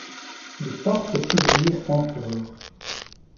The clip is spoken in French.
Des portes s'ouvrirent encore.